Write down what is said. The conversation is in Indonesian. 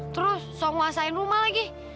terus saya nguasain rumah lagi